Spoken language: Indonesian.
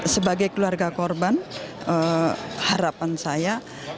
sebagai keluarga korban harapan saya